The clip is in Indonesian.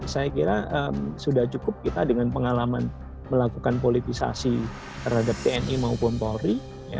saya kira sudah cukup kita dengan pengalaman melakukan politisasi terhadap tni maupun polri